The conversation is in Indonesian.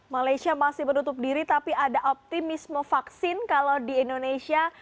malaysia masih menutup diri tapi ada optimisme vaksin kalau di indonesia